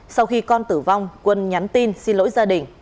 sau khi con tử vong quân nhắn tin xin lỗi gia đình